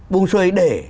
buông xuôi để